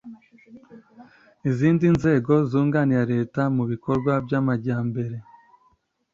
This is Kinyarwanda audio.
izindi nzego zunganira leta mu bikorwa by'amajyambere